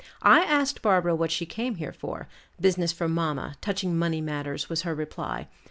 I asked Barbara what she came here for; business for mamma, touching money matters, was her reply.